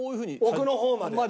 奥の方まで。